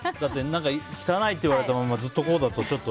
汚いって言われたままずっとこうだと。